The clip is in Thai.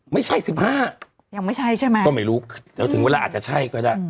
ไม่ใช่สิบห้ายังไม่ใช่ใช่ไหมก็ไม่รู้เดี๋ยวถึงเวลาอาจจะใช่ก็ได้